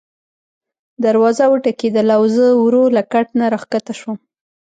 دروازه وټکېدله او زه ورو له کټ نه راکښته شوم.